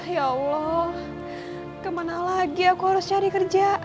ya allah kemana lagi aku harus cari kerja